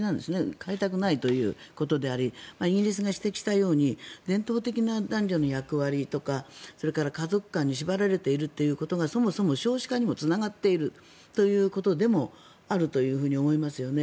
変えたくないということでありイギリスが指摘したように伝統的な男女の役割とか家族観に縛られているということがそもそも少子化にもつながっているということでもあると思いますよね。